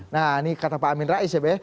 nah ini kata pak amin rais ya b